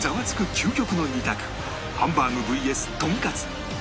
究極の２択ハンバーグ ＶＳ とんかつ